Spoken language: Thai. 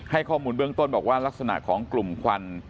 ข้อมูลเบื้องต้นบอกว่าลักษณะของกลุ่มควัน